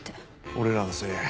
俺らのせいや。